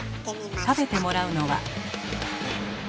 食べてもらうのは。